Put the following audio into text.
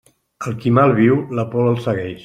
Al qui mal viu, la por el segueix.